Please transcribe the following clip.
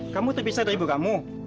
kamu terpisah dari ibu kamu